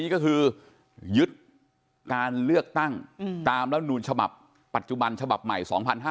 ยึดการเลือกตั้งตามร่วมนูลฉบับปัจจุบันฉบับใหม่๒๕๖๐